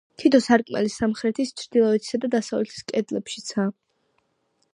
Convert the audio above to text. თითო სარკმელი სამხრეთის, ჩრდილოეთისა და დასავლეთის კედლებშიცაა.